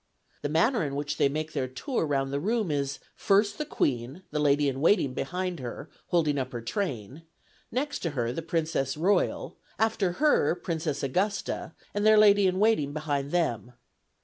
The manner in which they make their tour round the room is, first, the Queen, the lady in waiting behind her, holding up her train; next to her, the Princess Royal; after her, Princess Augusta, and their lady in waiting behind them.